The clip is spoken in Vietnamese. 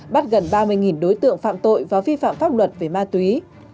bắt gần ba mươi đối tượng phạm tội và vi phạm pháp luật về ma túy